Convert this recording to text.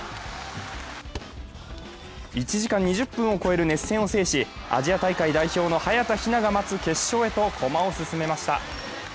１時間２０分を超える熱戦を制し、アジア大会代表の早田ひなが待つ決勝へと駒を進めました。